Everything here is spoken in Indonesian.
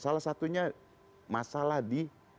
salah satunya masalah di